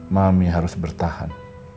mami harus bertahan